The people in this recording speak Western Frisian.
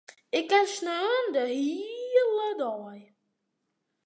Ik kin sneon de hiele dei.